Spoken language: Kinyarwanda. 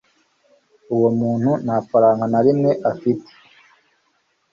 uwo muntu nta faranga na rimwe afite